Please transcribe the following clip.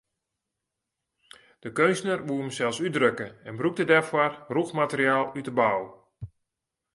De keunstner woe himsels útdrukke en brûkte dêrfoar rûch materiaal út de bou.